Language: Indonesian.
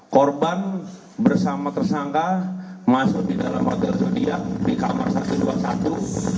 korban bersama tersangka masuk di dalam hotel setia di kamar satu ratus dua puluh satu